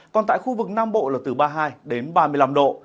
còn tại khu vực nam bộ là từ ba mươi hai đến ba mươi năm độ